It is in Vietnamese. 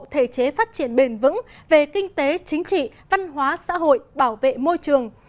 thể chế phát triển bền vững về kinh tế chính trị văn hóa xã hội bảo vệ môi trường